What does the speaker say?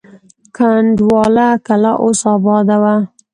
کنډواله کلا اوس اباده وه.